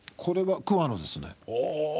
これは桑野ですね。